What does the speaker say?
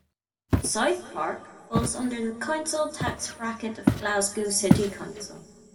Southpark falls under the council tax bracket of Glasgow City Council.